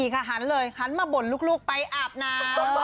หันเลยหันมาบ่นลูกไปอาบน้ำ